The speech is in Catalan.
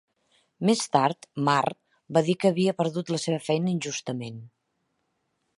Més tard, Marr va dir que havia perdut la seva feina injustament.